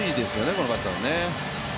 このバッターはね。